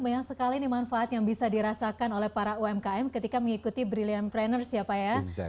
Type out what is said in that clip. banyak sekali manfaat yang bisa dirasakan oleh para umkm ketika mengikuti brilliant pranners ya pak ya